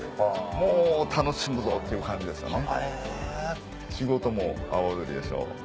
もう楽しむぞっていう感じですよね。